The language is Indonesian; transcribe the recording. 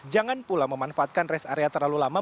jangan pula memanfaatkan res area terlalu lama